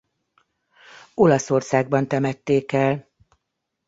Olaszországban temették el.